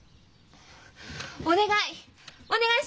お願い！